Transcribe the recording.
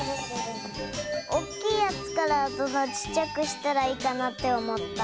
おっきいやつからどんどんちっちゃくしたらいいかなっておもった。